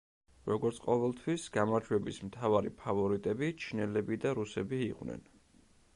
როგორც ყოველთვის გამარჯვების მთავარი ფავორიტები ჩინელები და რუსები იყვნენ.